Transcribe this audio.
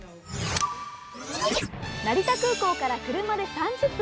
成田空港から車で３０分。